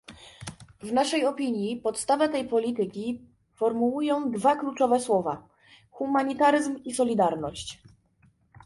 W naszej opinii, podstawę tej polityki formułują dwa kluczowe słowa, humanitaryzm i solidarność